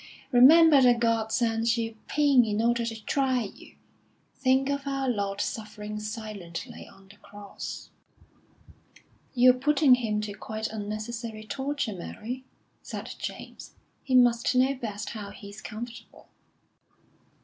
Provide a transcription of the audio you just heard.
Remember that God sends you pain in order to try you. Think of Our Lord suffering silently on the Cross." "You're putting him to quite unnecessary torture, Mary," said James. "He must know best how he's comfortable."